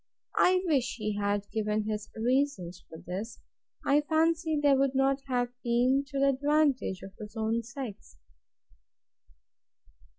I wish he had given his reasons for this! I fancy they would not have been to the advantage of his own sex.